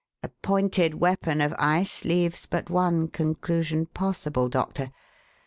A pointed weapon of ice leaves but one conclusion possible, Doctor.